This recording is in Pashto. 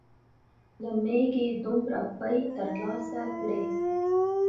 له مېږې دومره پۍ تر لاسه کړې.